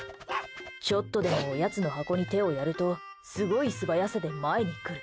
ちょっとでもおやつの箱に手をやるとすごい素早さで前に来る。